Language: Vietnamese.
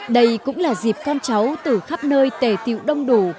đây cũng là dịp con cháu từ khắp nơi tề tiệu đông đủ